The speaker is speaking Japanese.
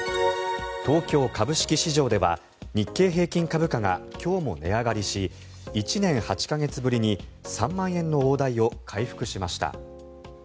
東京株式市場では日経平均株価が今日も値上がりし１年８か月ぶりに３万円の大台を回復しました。